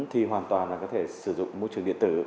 thì hoàn toàn là có thể sử dụng môi trường điện tử